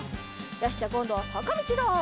よしじゃあこんどはさかみちだ。